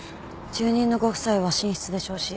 住人のご夫妻は寝室で焼死。